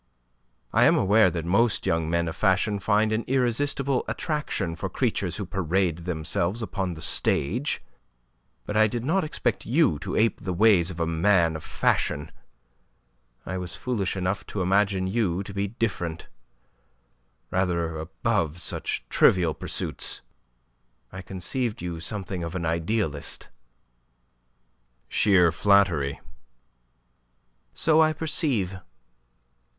I am aware that most young men of fashion find an irresistible attraction for creatures who parade themselves upon the stage. But I did not expect you to ape the ways of a man of fashion. I was foolish enough to imagine you to be different; rather above such trivial pursuits. I conceived you something of an idealist." "Sheer flattery." "So I perceive.